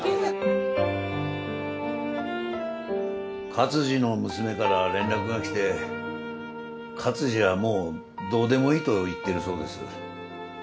勝二の娘から連絡が来て勝二は「もうどうでもいい」と言ってるそうです。